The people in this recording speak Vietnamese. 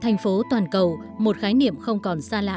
thành phố toàn cầu một khái niệm không còn xa lạ